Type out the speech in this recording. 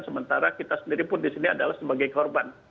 sementara kita sendiri pun di sini adalah sebagai korban